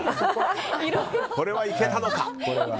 これはいけたのか？